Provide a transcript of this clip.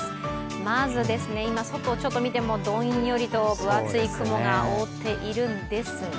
まず、今、外ちょっと見てもどんよりと分厚い雲が覆っているんですが。